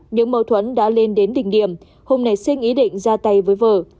những mâu thuẫn đã lên đến đỉnh điểm hùng này xin ý định ra tay với vợ